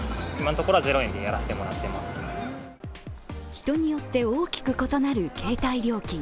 人によって大きく異なる携帯料金。